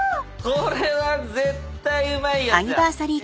これは絶対うまいやつや。